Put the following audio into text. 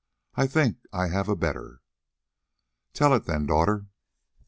I think I have a better." "Tell it then, daughter."